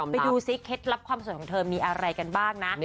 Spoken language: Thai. ไปดูซิเคล็ดลับความสวยของเธอมีอะไรกันบ้างนะ